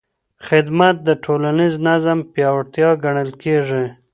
خدمت د ټولنیز نظم پیاوړتیا ګڼل کېږي.